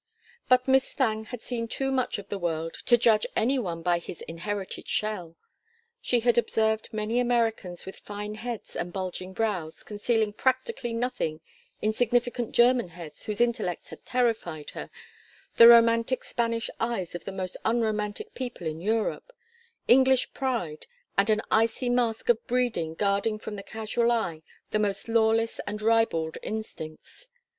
But Miss Thangue had seen too much of the world to judge any one by his inherited shell. She had observed many Americans with fine heads and bulging brows concealing practically nothing, insignificant German heads whose intellects had terrified her, the romantic Spanish eyes of the most unromantic people in Europe, English pride and an icy mask of breeding guarding from the casual eye the most lawless and ribald instincts.